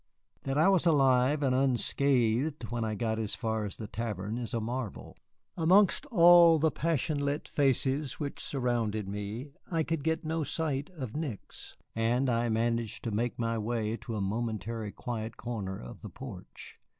That I was alive and unscratched when I got as far as the tavern is a marvel. Amongst all the passion lit faces which surrounded me I could get no sight of Nick's, and I managed to make my way to a momentarily quiet corner of the porch.